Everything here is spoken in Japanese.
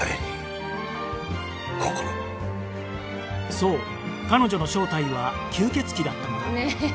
そう彼女の正体は吸血鬼だったのだねえ